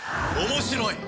面白い！